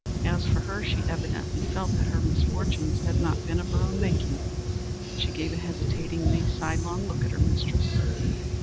As for her, she evidently felt that her misfortunes had not been of her own making. She gave a hesitating, sidelong look at her mistress.